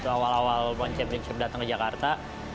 awal awal one championship datang ke jakarta